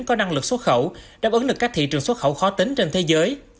có năng lực xuất khẩu đáp ứng được các thị trường xuất khẩu khó tính trên thế giới